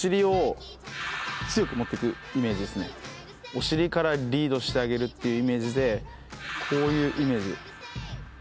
お尻からリードしてあげるっていうイメージでこういうイメージ。